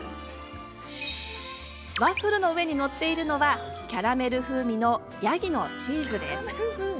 ワッフルの上に載っているのはキャラメル風味のヤギのチーズです。